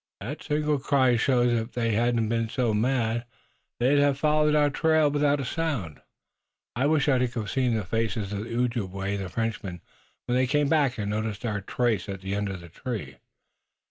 "That single cry shows it. If they hadn't been so mad they'd have followed our trail without a sound. I wish I could have seen the faces of the Ojibway and the Frenchman when they came back and noticed our trace at the end of the tree.